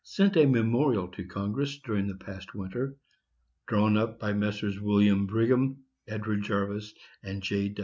sent a memorial to Congress during the past winter, drawn up by Messrs. William Brigham, Edward Jarvis, and J.